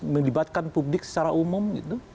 melibatkan publik secara umum